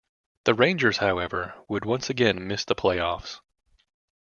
The Rangers, however, would once again miss the playoffs.